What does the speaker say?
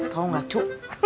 tau nggak cucu